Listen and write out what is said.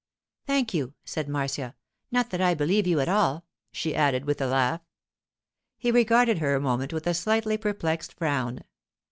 'Thank you,' said Marcia. 'Not that I believe you at all,' she added with a laugh. He regarded her a moment with a slightly perplexed frown.